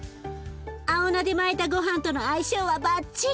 青菜で巻いたごはんとの相性はバッチリ。